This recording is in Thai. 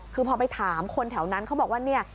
คือพอไปถามคนแถวนั้นเขาบอกว่าเนี่ย